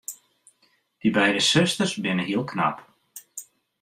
Dy beide susters binne hiel knap.